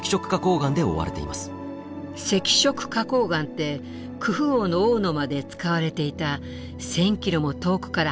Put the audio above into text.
赤色花こう岩ってクフ王の「王の間」で使われていた１０００ｋｍも遠くから運んできた石よね。